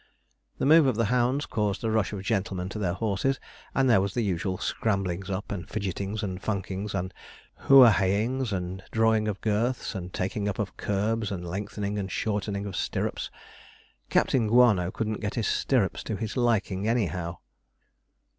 The move of the hounds caused a rush of gentlemen to their horses, and there was the usual scramblings up, and fidgetings, and funkings, and who o hayings and drawing of girths, and taking up of curbs, and lengthening and shortening of stirrups. Captain Guano couldn't get his stirrups to his liking anyhow.